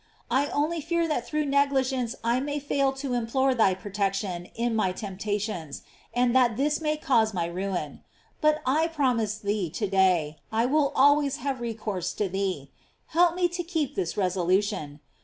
I only fear that through negligence I may fail to implore thy protection in my temptations, and that this may cause my ruin. But I promise thee to day, I will always have recourse to thee. Help me to keep this resolution.